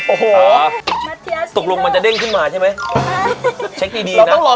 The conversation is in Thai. โอ้โหตกลงมันจะเด้งขึ้นมาใช่ไหมเช็คดีดีนะ